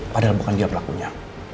padahal bukan dia pelakunya